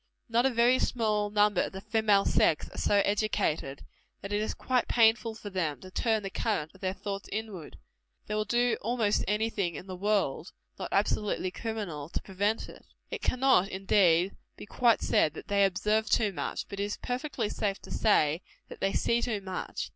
Not a very small number of the female sex are so educated, that it is quite painful for them to turn the current of their thoughts inward: they will do almost any thing in the world, not absolutely criminal, to prevent it. It cannot, indeed, be quite said, that they observe too much; but it is perfectly safe to say, that they see too much.